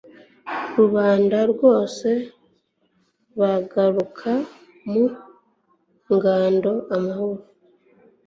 rubanda rwose bagaruka mu ngando amahoro